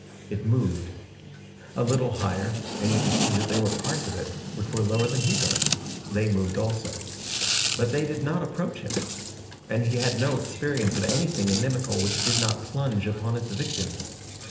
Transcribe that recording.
It moved. A little higher, and he could see that there were parts of it which were lower than he was. They moved also. But they did not approach him. And he had no experience of anything inimical which did not plunge upon its victims.